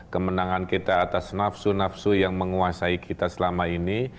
kemenangan kita atas nafsu nafsu yang menguasai kita selama ini